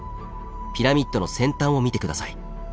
ピラミッドの先端を見て下さい。